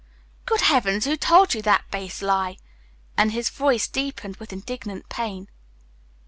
"Good heavens, who told you that base lie?" And his voice deepened with indignant pain.